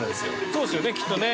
そうですよねきっとね。